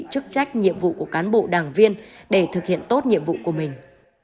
chức trách nhiệm vụ của cán bộ đảng viên để thực hiện tốt nhiệm vụ của mình